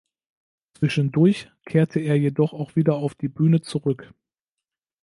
Zwischendurch kehrte er jedoch auch wieder auf die Bühne zurück.